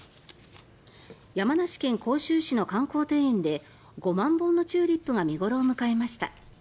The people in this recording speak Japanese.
山梨県甲州市の観光庭園で５万本のチューリップが見頃を迎えました。